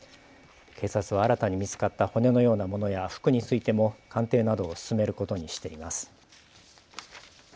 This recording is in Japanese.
警察は新たに見つかった骨のようなものや服についても鑑定などを進めることにしています。